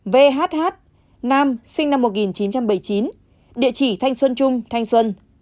bảy vhh nam sinh năm một nghìn chín trăm bảy mươi chín địa chỉ thanh xuân trung thanh xuân